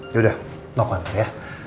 yaudah nonton ya